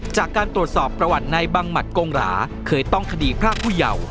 จากการตรวจสอบประวัติในบังหมัดกงหราเคยต้องคดีพรากผู้เยาว์